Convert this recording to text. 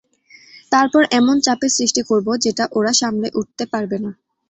তারপর এমন চাপের সৃষ্টি করবো যেটা ওরা সামলে উঠতে পারবে না।